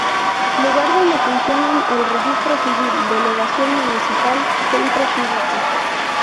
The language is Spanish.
Lugar donde funcionan el registro civil, delegación municipal, centro cívico.